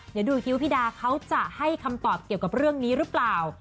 เดี๋ยวดูคิ้วพี่ดาเขาจะให้คำตอบเกี่ยวกับเรื่องนี้หรือเปล่า